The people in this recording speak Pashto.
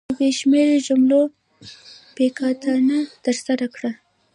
ما د بې شمېره جملو بیاکتنه ترسره کړه.